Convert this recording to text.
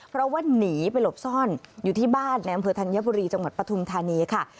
เพราะว่าหนีไปหลบซ่อนอยู่ที่บ้านในอำเภอธัญบุรีจังหวัดปฐุมธานีค่ะ